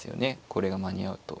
これが間に合うと。